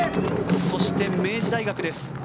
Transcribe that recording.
そして、明治大学です。